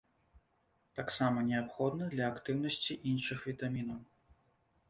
Таксама неабходны для актыўнасці іншых вітамінаў.